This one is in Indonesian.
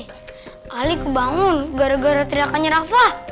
paling kebangun gara gara teriakannya rafa